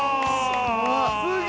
すごい。